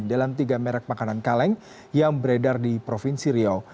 dalam tiga merek makanan kaleng yang beredar di provinsi riau